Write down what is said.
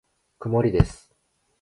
曇りです。